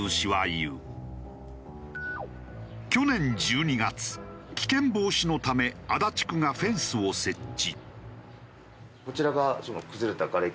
去年１２月危険防止のため足立区がフェンスを設置。